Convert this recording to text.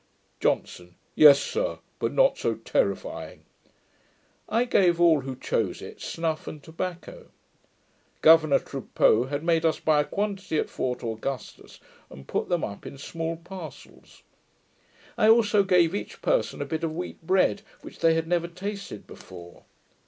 JOHNSON. 'Yes, sir; but not so terrifying.' I gave all who chose it, snuff and tobacco. Governour Trapaud had made us buy a quantity at Fort Augustus, and put them up in small parcels. I also gave each person a bit of wheat bread, which they had never tasted before.